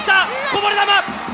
こぼれ球！